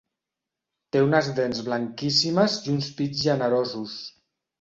Té unes dents blanquíssimes i uns pits generosos.